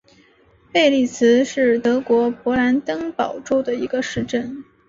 贝利茨是德国勃兰登堡州的一个市镇。